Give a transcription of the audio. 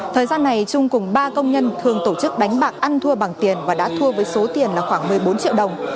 thời gian này trung cùng ba công nhân thường tổ chức đánh bạc ăn thua bằng tiền và đã thua với số tiền là khoảng một mươi bốn triệu đồng